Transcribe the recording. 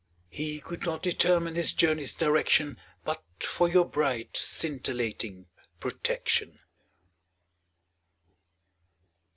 He could not determine his journey's direction But for your bright scintillating protection.